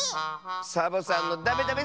サボさんのダメダメせいじん！